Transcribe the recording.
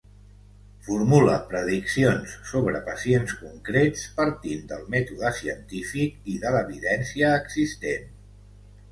Formula prediccions sobre pacients concrets partint del mètode científic i de l'evidència existent.